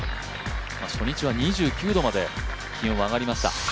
初日は２９度まで気温が上がりました。